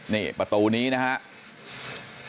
นี่ประตูนี้นะครับ